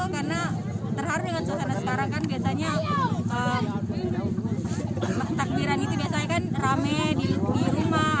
karena terharu dengan suasana sekarang kan biasanya takbiran itu biasanya kan rame di rumah